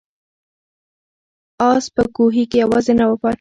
آس په کوهي کې یوازې نه و پاتې.